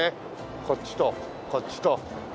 こっちとこっちと。